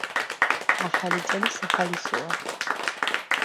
ახალი წელი სახალისოა